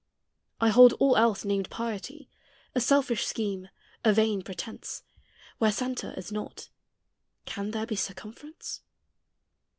I hold all else, named piety, A selfish scheme, a vain pretence; Where centre is not can there be Circumference?